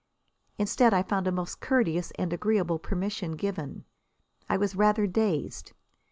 Instead, I found a most courteous and agreeable permission given. I was rather dazed.